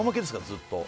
ずっと。